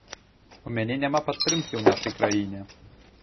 У мяне няма падтрымкі ў нашай краіне.